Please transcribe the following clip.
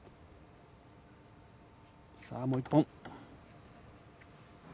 さあ、もう１本。